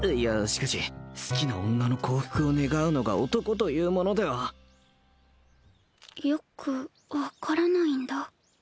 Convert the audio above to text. しかし好きな女の幸福を願うのが男というものではよく分からないんだ